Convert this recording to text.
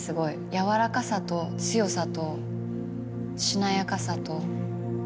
柔らかさと強さとしなやかさと。